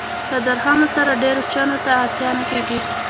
له درهمو سره ډېرو چنو ته اړتیا نه کېږي.